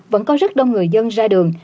vẫn có rất đông người dân ra đường